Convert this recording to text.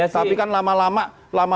tapi kan lama lama lama